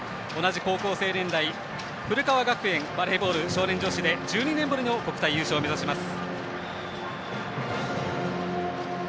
同じ高校生、古川学園バレーボール少年女子で１２年ぶりの国体優勝を目指します。